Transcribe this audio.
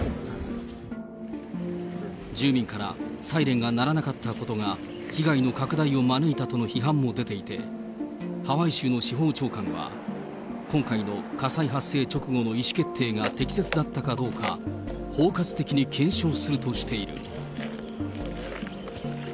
住民からサイレンが鳴らなかったことが被害の拡大を招いたとの批判も出ていて、ハワイ州の司法長官は今回の火災発生直後の意思決定が適切だったかどうか、包括的に検証するとしている。